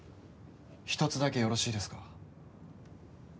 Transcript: １つだけよろしいですか？